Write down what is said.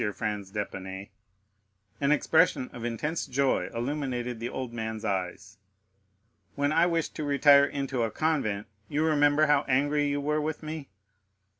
Franz d'Épinay." An expression of intense joy illumined the old man's eyes. "When I wished to retire into a convent, you remember how angry you were with me?"